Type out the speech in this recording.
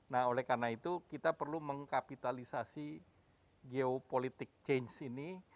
nah oleh karena itu kita perlu mengkapitalisasi geopolitic change ini